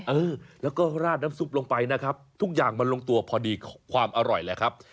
เออแล้วก็ราดน้ำซุปลงไปนะครับทุกอย่างมันลงตัวพอดีความอร่อยแหละครับ